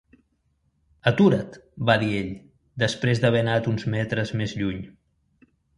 "Atura't!", va dir ell, després d'haver anat uns metres més lluny.